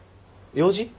用事？